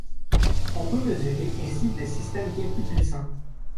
On peut mesurer ainsi des systèmes bien plus puissants.